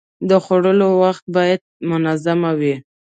د خوړو وخت باید منظم وي.